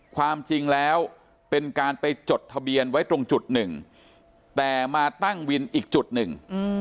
ความจริงแล้วเป็นการไปจดทะเบียนไว้ตรงจุดหนึ่งแต่มาตั้งวินอีกจุดหนึ่ง